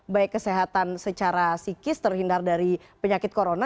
baik kesehatan secara psikis terhindar dari penyakit corona